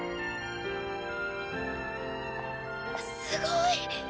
すごい！